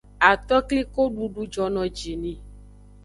Atokliko dudu jono ji ni.